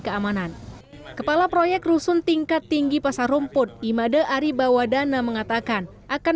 keamanan kepala proyek rusun tingkat tinggi pasar rumput imade aribawadana mengatakan akan